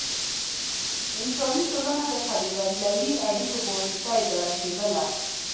انساني ټولنه د قبیلوي اړیکو په واسطه اداره کېدله.